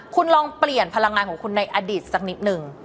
คุณลองเปลี่ยนพลังงานของคุณในอดีตสักนิดนึง